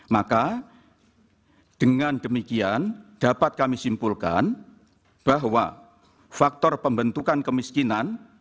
maka dengan demikian dapat kami simpulkan bahwa faktor pembentukan kemiskinan